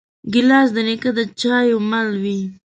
ګیلاس د نیکه د چایو مل وي.